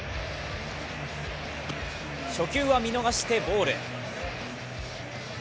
初球は見逃してボール。